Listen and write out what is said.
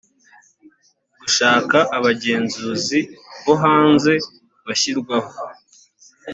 gushaka abagenzuzi bo hanze bashyirwaho